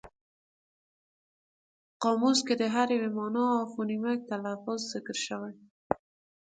په قاموس کې د هر ویي مانا او فونیمک تلفظ ذکر شوی وي.